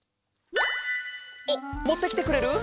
あっもってきてくれる？